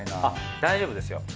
大丈夫ですよ。